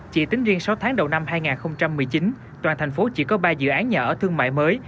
chỉ tính riêng sáu tháng đầu năm hai nghìn một mươi chín toàn thành phố chỉ có ba dự án nhà ở thương mại mới